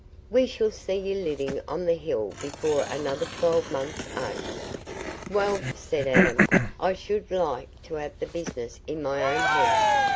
We shall see you living on th' hill before another twelvemont's over." "Well," said Adam, "I should like t' have the business in my own hands.